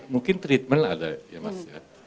mungkin treatment ada ya mas ya